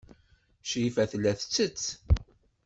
Crifa tella tettett.